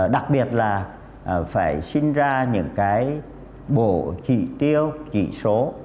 đặc biệt là phải sinh ra những cái bộ chỉ tiêu chỉ số